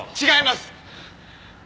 違います！